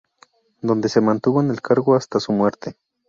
Donde se mantuvo en el cargo hasta su muerte.